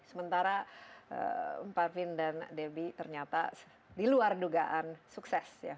sementara pak vin dan debbie ternyata diluar dugaan sukses ya